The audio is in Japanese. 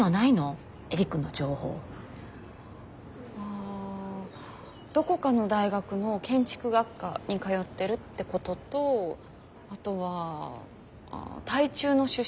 ああどこかの大学の建築学科に通ってるってこととあとは台中の出身だってこと。